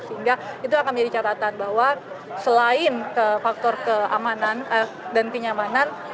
sehingga itu akan menjadi catatan bahwa selain faktor keamanan dan kenyamanan